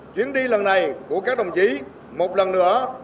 chuyến đi lần này của các đồng chí một lần nữa